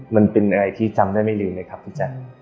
มันเป็นอะไรที่จำได้ไม่ลืมเลยครับพี่แจ๊ค